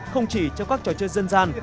không chỉ trong các trò chơi dân gian